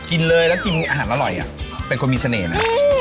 กินเลยแล้วกินอาหารอร่อยเป็นคนมีเสน่ห์นะ